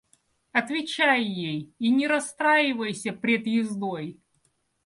Отвечай ей и не расстраивайся пред ездой.